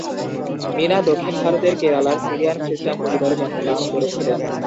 মীনা দক্ষিণ ভারতের কেরালার সিরিয়ার খ্রিস্টান পরিবারে জন্মগ্রহণ করেছিলেন।